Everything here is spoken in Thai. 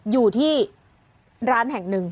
อยู่ที่ร้านแห่งหนึ่ง